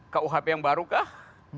kuhp yang barukah